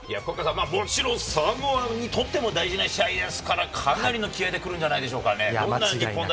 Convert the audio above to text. もちろんサモアにとっても大事な一戦ですから、かなりの気合いで来るんじゃないでしょうか。